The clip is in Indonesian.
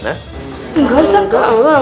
engga ustaz engga engga